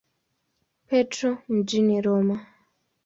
Petro mjini Roma.